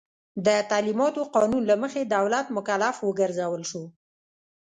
د تعلیماتو قانون له مخې دولت مکلف وګرځول شو.